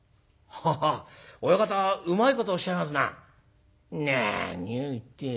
「何を言って親方うまいことおっしゃいますな。